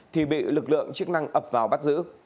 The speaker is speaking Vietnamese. thì bị lực lượng chức năng ập vào bắt giữ